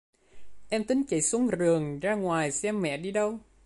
em tính chạy xuống giường ra ngoài xem mẹ đi đâu